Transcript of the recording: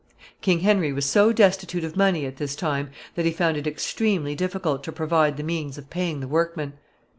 King Henry was so destitute of money at this time that he found it extremely difficult to provide the means of paying the workmen.